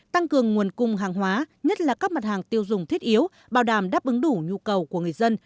tăng cường nguồn cung hàng hóa nhất là các mặt hàng tiêu dùng thiết yếu bảo đảm đáp ứng đủ nhu cầu của người dân